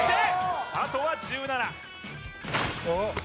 あとは１７